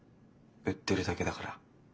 売ってるだけだから。